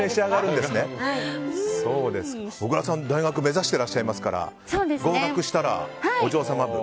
小倉さん、大学目指してらっしゃいますから合格したら、お嬢様部。